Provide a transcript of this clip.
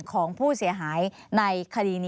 มีความรู้สึกว่ามีความรู้สึกว่า